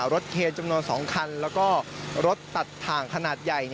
เคนจำนวน๒คันแล้วก็รถตัดถ่างขนาดใหญ่